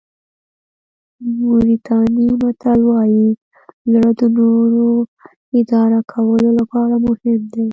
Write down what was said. موریتاني متل وایي زړه د نورو اداره کولو لپاره مهم دی.